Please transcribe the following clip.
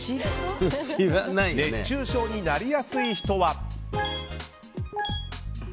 熱中症になりやすい人は。